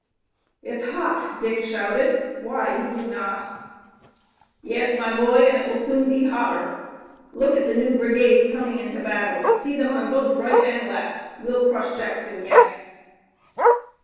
"It's hot!" Dick shouted, why he knew not. "Yes, my boy, and it will soon be hotter! Look at the new brigades coming into battle! See them on both right and left! We'll crush Jackson yet!"